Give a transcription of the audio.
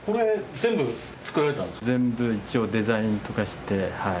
全部一応デザインとかしてはい。